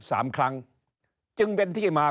สามครั้งจึงเป็นที่มา